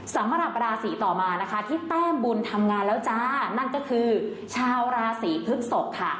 สำหรับราศีต่อมานะคะที่แต้มบุญทำงานแล้วจ้านั่นก็คือชาวราศีพฤกษกค่ะ